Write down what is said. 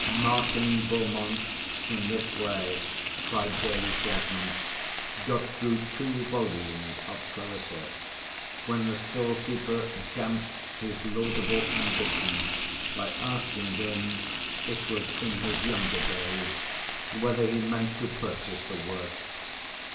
Martin B——, in this way, by daily fragments, got through two volumes of Clarissa, when the stall keeper damped his laudable ambition, by asking him (it was in his younger days) whether he meant to purchase the work.